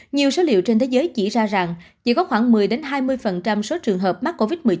nhiều số liệu trên thế giới chỉ ra rằng chỉ có khoảng một mươi hai mươi số trường hợp mắc covid một mươi chín